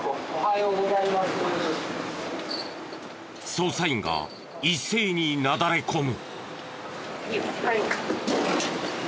捜査員が一斉になだれ込む。